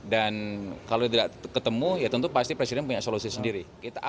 dan kalau tidak ketemu ya tentu pasti presiden punya solusi sendiri